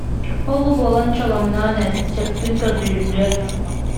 Ол-бу буолан чолоҥноон эр, сөпкүн көрдөрүллүө